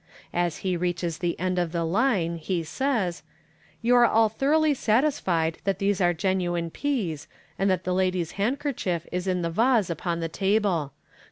As he reaches the end of the line, he says, " You are all thoroughly satisfied that these ire genuine peas, and that the lady's handkerchief is in the vase upon the table.